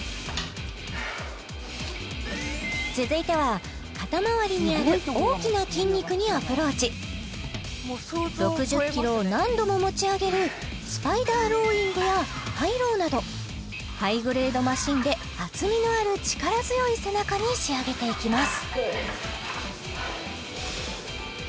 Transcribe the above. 続いては肩周りにある大きな筋肉にアプローチ６０ｋｇを何度も持ち上げるスパイダーロウイングやハイロウなどハイグレードマシンで厚みのある力強い背中に仕上げていきます